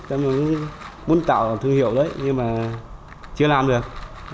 chứ muốn tạo thương hiệu đấy nhưng mà chưa làm được